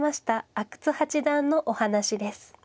阿久津八段のお話です。